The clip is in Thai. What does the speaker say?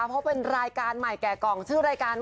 เพราะเป็นรายการใหม่แก่กล่องชื่อรายการ